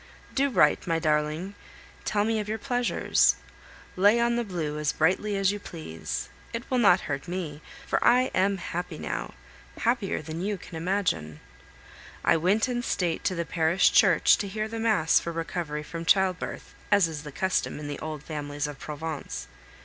Do write, my darling! Tell me of your pleasures; lay on the blue as brightly as you please. It will not hurt me, for I am happy now, happier than you can imagine. I went in state to the parish church to hear the Mass for recovery from childbirth, as is the custom in the old families of Provence.